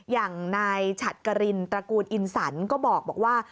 อย่างนายฉัดกรินตระกูลอินสันก็บอกว่า